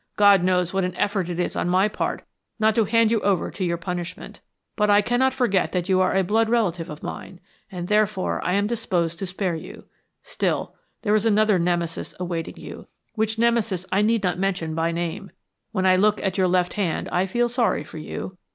God knows what an effort it is on my part not to hand you over to your punishment, but I cannot forget that you are a blood relation of mine and, therefore, I am disposed to spare you. Still, there is another Nemesis awaiting you, which Nemesis I need not mention by name. When I look at your left hand I feel sorry for you.